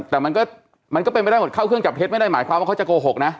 แต่มันก็เป็นไปได้หมดเข้าเครื่องจับเท็จไม่ได้หมายความว่าเขาจะโกหกนะ